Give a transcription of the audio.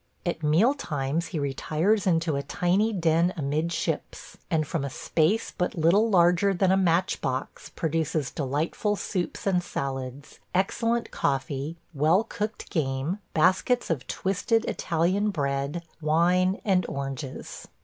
At mealtimes he retires into a tiny den amidships, and from a space but little larger than a match box produces delightful soups and salads, excellent coffee, well cooked game, baskets of twisted Italian bread; wine and oranges.